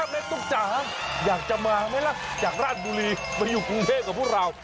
ตุ๊กจ๋าอยากจะมาไหมล่ะจากราชบุรีมาอยู่กรุงเทพกับพวกเรา